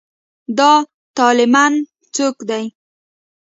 دا طالېمن څوک دی.